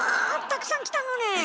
たくさん来たのねえ。